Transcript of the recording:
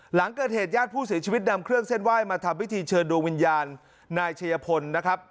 หลังเกิดเหตุญาติผู้เสียชีวิตนำเครื่องเส้นไหว้มาทำพิธีเชิญดวงวิญญาณนายชัยพลนะครับ